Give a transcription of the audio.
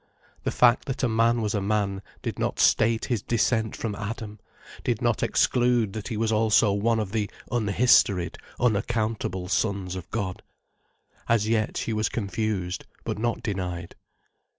The fact that a man was a man, did not state his descent from Adam, did not exclude that he was also one of the unhistoried, unaccountable Sons of God. As yet, she was confused, but not denied.